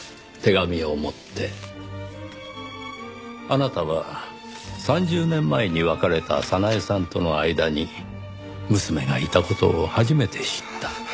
あなたは３０年前に別れた早苗さんとの間に娘がいた事を初めて知った。